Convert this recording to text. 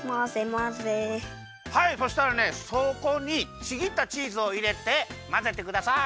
はいそしたらねそこにちぎったチーズをいれてまぜてください。